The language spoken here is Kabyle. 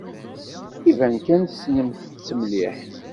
Iban kan tessnem-tt mliḥ.